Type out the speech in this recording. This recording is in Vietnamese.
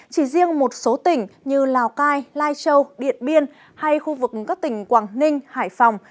chỉ riêng một số tỉnh như lào cai lai châu điện biên hay khu vực các tỉnh quảng ninh hải phòng